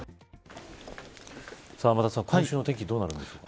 天達さん、今週の天気どうなるんですか。